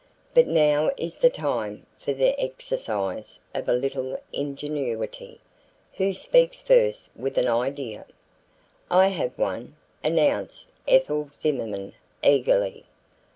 "But now is the time for the exercise of a little ingenuity. Who speaks first with an idea?" "I have one," announced Ethel Zimmerman eagerly.